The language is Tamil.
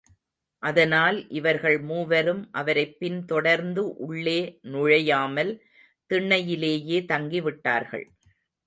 அதனால் இவர்கள் மூவரும் அவரைப் பின் தொடர்ந்து உள்ளே நுழையாமல் திண்ணையிலேயே தங்கி விட்டார்கள்.